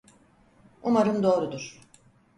Umarım doğrudur.